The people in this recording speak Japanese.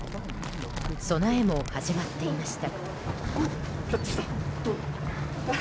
備えも始まっていました。